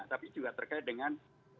tapi juga terkait dengan